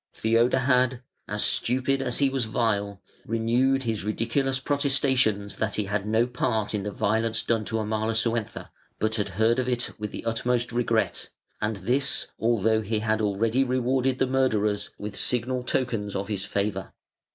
Theodahad, as stupid as he was vile, renewed his ridiculous protestations that he had no part in the violence done to Amalasuentha, but had heard of it with the utmost regret, and this although he had already rewarded the murderers with signal tokens of his favour.